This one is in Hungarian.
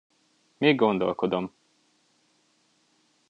Még gondolkodom.